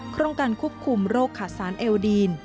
โครงการควบคุมโรคขาดสารเอวดีน